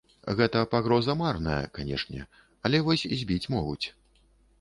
Гэтая пагроза марная, канешне, але вось збіць могуць.